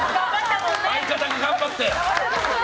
相方が頑張って！